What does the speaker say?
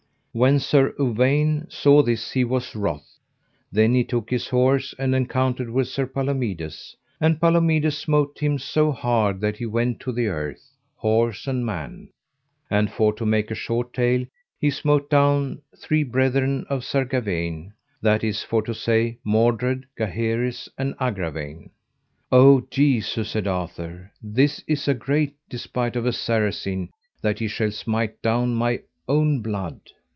When Sir Uwaine saw this he was wroth. Then he took his horse and encountered with Sir Palomides, and Palomides smote him so hard that he went to the earth, horse and man. And for to make a short tale, he smote down three brethren of Sir Gawaine, that is for to say Mordred, Gaheris, and Agravaine. O Jesu, said Arthur, this is a great despite of a Saracen that he shall smite down my blood.